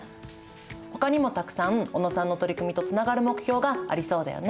ほかにもたくさん小野さんの取り組みとつながる目標がありそうだよね。